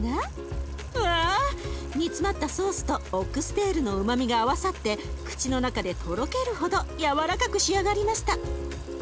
うわ煮詰まったソースとオックステールのうまみが合わさって口の中でとろけるほど軟らかく仕上がりました。